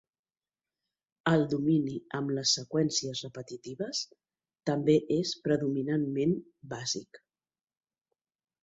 El domini amb les seqüències repetitives també és predominantment bàsic.